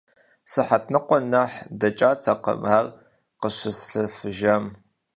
Сыхьэт ныкъуэ нэхъ дэкӀатэкъым ар къыщыслъэфыжам.